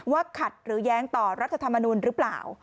ขัดหรือแย้งต่อรัฐธรรมนุนหรือเปล่า